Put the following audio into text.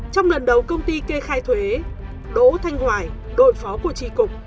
trong lần đầu công ty kê khai thuế đỗ thanh hoài đội phó của tri cục